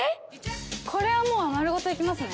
これはもう丸ごと行きますね。